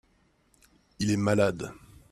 Il est malade.